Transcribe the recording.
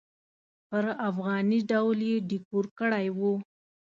پر افغاني ډول یې ډیکور کړی و.